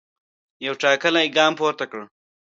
یو ټاکلی ګام پورته کړ.